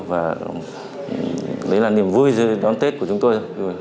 và đấy là niềm vui đón tết của chúng tôi